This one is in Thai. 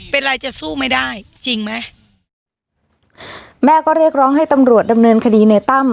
เป็นไรจะสู้ไม่ได้จริงไหมแม่ก็เรียกร้องให้ตำรวจดำเนินคดีในตั้ม